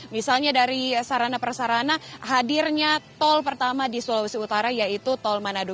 misalnya dari sarana perasarana hadirnya tol pertama di sulawesi utara yaitu tol manado